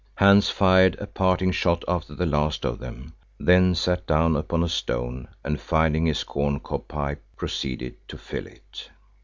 Hans fired a parting shot after the last of them, then sat down upon a stone and finding his corn cob pipe, proceeded to fill it.